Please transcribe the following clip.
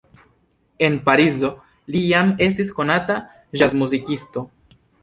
En Parizo li jam estis konata ĵazmuzikisto.